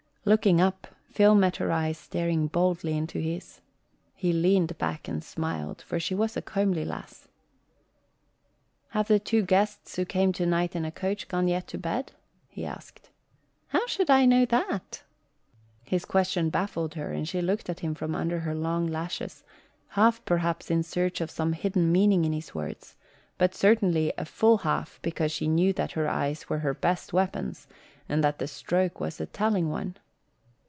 Looking up, Phil met her eyes staring boldly into his. He leaned back and smiled, for she was a comely lass. "Have the two guests who came tonight in a coach gone yet to bed?" he asked. "How should I know that?" His question baffled her and she looked at him from under her long lashes, half, perhaps, in search of some hidden meaning in his words, but certainly a full half because she knew that her eyes were her best weapons and that the stroke was a telling one.